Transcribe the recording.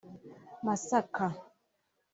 Masaka